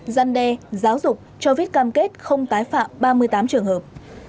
giăn đe giáo dục cho viết cam kết không tái phạm ba mươi tám trường hợp